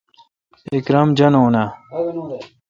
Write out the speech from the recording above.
اکرم جانون آں؟